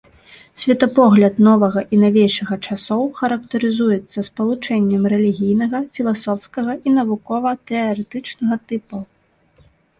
Светапогляд новага і навейшага часоў характарызуецца спалучэннем рэлігійнага, філасофскага і навукова-тэарэтычнага тыпаў.